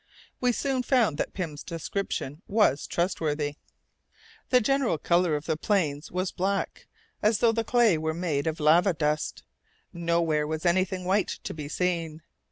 We soon found that Pym's description was trustworthy. The general colour of the plains was black, as though the clay were made of lava dust; nowhere was anything white to be seen.